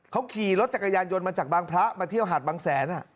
เขาขี่รถจักรยานยนต์มาจากบางพระมาเที่ยวหาดบางแสน